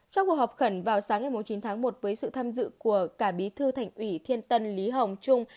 trong cuộc họp khẩn vào sáng ngày chín tháng một với sự tham dự của cả bí thư thành ủy thiên tân lý hồng trung